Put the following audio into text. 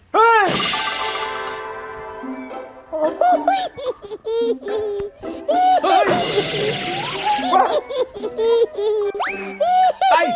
ปายปาย